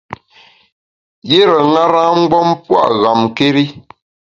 Yire ṅara-mgbom pua’ ghamkéri.